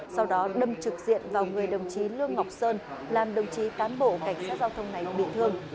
sau đó đâm trực diện vào người đồng chí lương ngọc sơn làm đồng chí cán bộ cảnh sát giao thông này bị thương